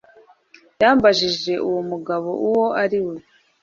yambajije uwo mugabo uwo ari we